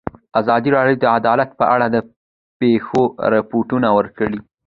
ازادي راډیو د عدالت په اړه د پېښو رپوټونه ورکړي.